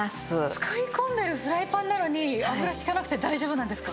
使い込んでるフライパンなのに油引かなくて大丈夫なんですか？